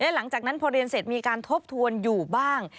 หลังจากนั้นพอเรียนเสร็จมีการทบทวนอยู่บ้าง